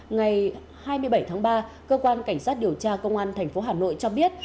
ngày hai mươi bảy tháng ba cơ quan cảnh sát điều tra bộ công an tp hcm cho biết